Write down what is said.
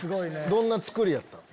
どんな造りやったん？